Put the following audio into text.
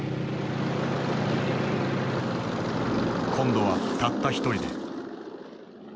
今度はたった一人で。